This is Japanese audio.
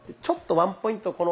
ちょっとワンポイント